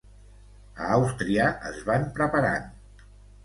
A Àustria es van preparant.